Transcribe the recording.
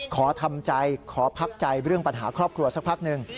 ขอทำใจขอพักใจเรื่องปัญหาครอบครัวสักพักหนึ่ง